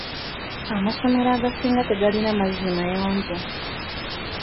Amasomero agasinga tegalina mazzi mayonjo.